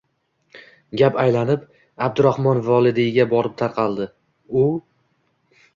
Gap aylanib, Abdurahmon Vodiliyga borib taqaldi. U